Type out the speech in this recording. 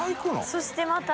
そしてまた。